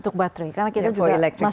untuk baterai karena kita juga masuk ke sana